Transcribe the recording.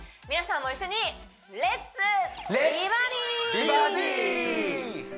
皆さんも一緒にレッツ！